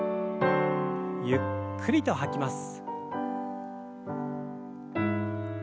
ゆっくりと吐きます。